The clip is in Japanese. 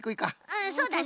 うんそうだね。